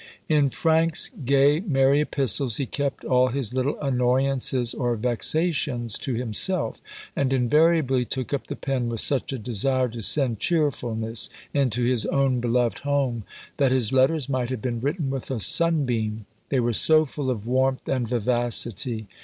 In Frank's gay, merry epistles, he kept all his little annoyances or vexations to himself, and invariably took up the pen with such a desire to send cheerfulness into his own beloved home, that his letters might have been written with a sun beam, they were so full of warmth and vivacity.